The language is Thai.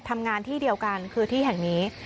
ทำงานที่เดียวกันคือที่แห่งนี้